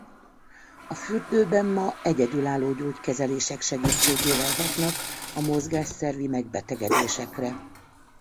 A fürdőben ma egyedülálló gyógykezelések segítségével hatnak a mozgásszervi megbetegedésekre.